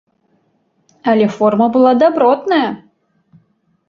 Але форма была дабротная!